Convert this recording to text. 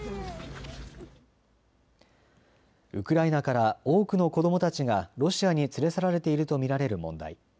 ウクライナから多くの子どもたちがロシアに連れ去られていると見られる問題。